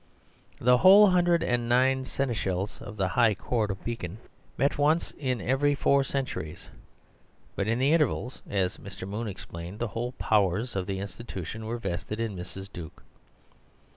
The whole hundred and nine seneschals of the High Court of Beacon met once in every four centuries; but in the intervals (as Mr. Moon explained) the whole powers of the institution were vested in Mrs. Duke.